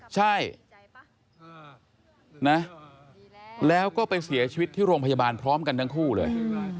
ใช่นะแล้วก็ไปเสียชีวิตที่โรงพยาบาลพร้อมกันทั้งคู่เลย